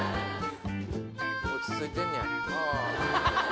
落ち着いてんねやあぁ。